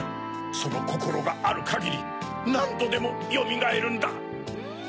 そのこころがあるかぎりなんどでもよみがえるんだ。